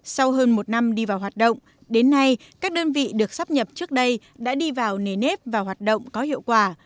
sau hơn một năm đi vào hoạt động đến nay các đơn vị được sắp nhập trước đây đã đi vào nề nếp và hoạt động có hiệu quả